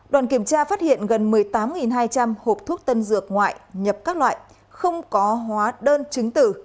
đoàn kiểm tra phát hiện gần một mươi tám hai trăm linh hộp thuốc tân dược ngoại nhập các loại không có hóa đơn chứng tử